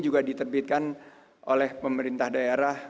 juga diterbitkan oleh pemerintah daerah